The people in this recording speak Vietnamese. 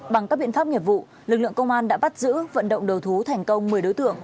bằng các biện pháp nghiệp vụ lực lượng công an đã bắt giữ vận động đầu thú thành công một mươi đối tượng